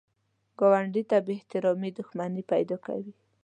ګاونډي ته بې احترامي دښمني پیدا کوي